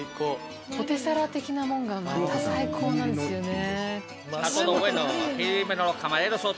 ポテサラ的なものがまた最高なんですよね。